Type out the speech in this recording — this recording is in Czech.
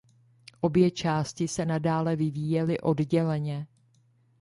Obě části se nadále vyvíjely odděleně.